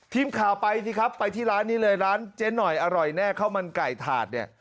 ทีมข่าวไปสิครับไปที่ร้านนี้เลยร้านเจ๊หน่อยอร่อยแน่ข้าวมันไก่ถาดเนี่ย